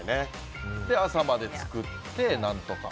朝まで作って、何とか。